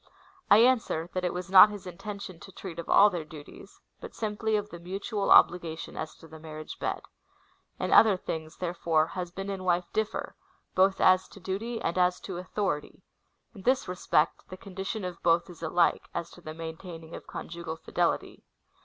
I answer, that it was not his intention to treat of all their duties, but simply of the mutual obligation as to the mar riage bed. In other things, therefore, husband and Avife differ, both as to duty and as to authority : in this respect the condition of both is alike — as to the maintaining of con jugal fidelity.